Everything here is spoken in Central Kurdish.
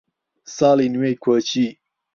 ساڵی نوێی کۆچی